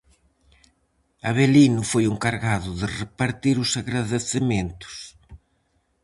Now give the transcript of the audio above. Avelino foi o encargado de repartir os agradecementos.